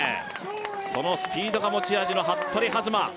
そのスピードが持ち味の服部弾馬